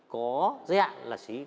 có giới hạn là